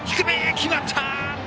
決まった！